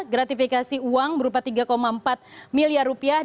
gratifikasi uang berupa tiga empat miliar rupiah